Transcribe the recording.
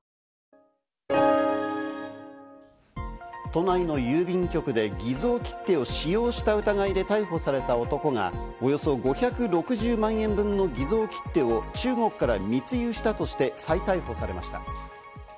都内の郵便局で偽造切手を使用した疑いで逮捕された男がおよそ５６０万円分の偽造切手を中国から密輸したとして再逮捕されました。